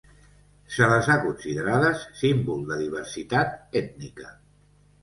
Se les ha considerades símbol de diversitat ètnica.